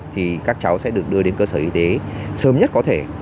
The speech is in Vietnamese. thì các cháu sẽ được đưa đến cơ sở y tế sớm nhất có thể